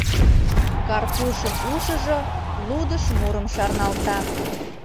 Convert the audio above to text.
Карпушын ушыжо лудыш мурым шарналта: